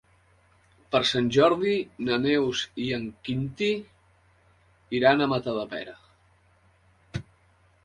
Per Sant Jordi na Neus i en Quintí iran a Matadepera.